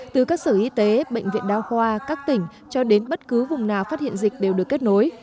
từ các sở y tế bệnh viện đao khoa các tỉnh cho đến bất cứ vùng nào phát hiện dịch đều được kết nối